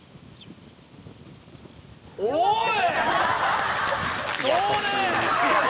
おい！